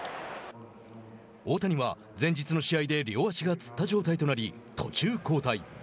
大谷は前日の試合で両足がつった状態となり途中交代。